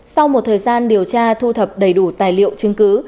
sau một thời gian điều tra thu thập đầy đủ tài liệu chứng cứ